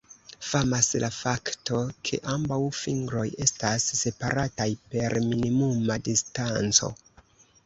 Famas la fakto ke ambaŭ fingroj estas separataj per minimuma distanco.